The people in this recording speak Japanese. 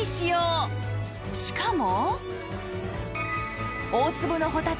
しかも